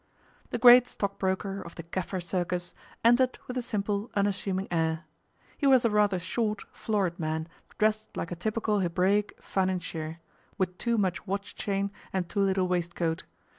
The great stockbroker of the 'Kaffir Circus' entered with a simple unassuming air. He was a rather short, florid man, dressed like a typical Hebraic financier, with too much watch chain and too little waistcoat.